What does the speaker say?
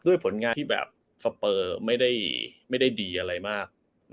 ผลงานที่แบบสเปอร์ไม่ได้ดีอะไรมาก